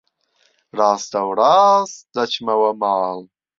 ڕاستەوڕاست دەچمەوە ماڵ.